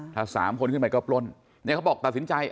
ถ้าสามคนขึ้นไปก็ปล้นเนี่ยเขาบอกตัดสินใจ